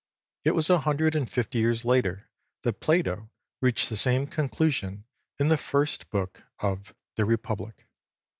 It was a hundred and fifty years later that Plato reached the same conclusion in the first book of the Republic.